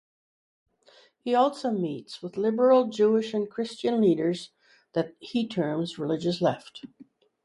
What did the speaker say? He also meets with liberal Jewish and Christian leaders that he terms "religious left".